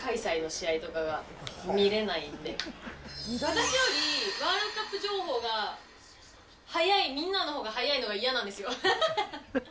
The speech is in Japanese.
私より、ワールドカップ情報がみんなのほうが早いのがいやなんですよ。